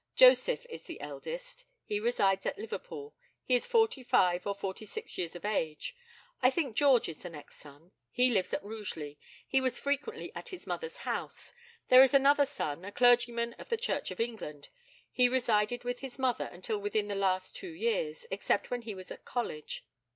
Joseph is the eldest. He resides at Liverpool. He is forty five or forty six years of age. I think George is the next son. He lives at Rugeley. He was frequently at his mother's house. There is another son, a clergyman of the Church of England. He resided with his mother until within the last two years, except when he was at college.